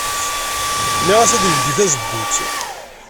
Nniɣ-as ad yeldey tazewwut.